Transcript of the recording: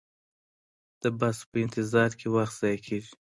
د بس په انتظار کې وخت ضایع کیږي